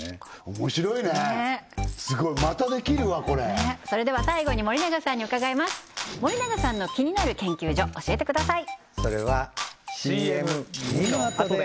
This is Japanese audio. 面白いねすごいまたできるわこれそれでは最後に森永さんに伺います森永さんの気になる研究所教えてください